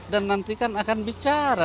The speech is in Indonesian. dan nantikan akan bicara